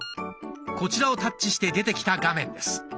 こちらをタッチして出てきた画面です。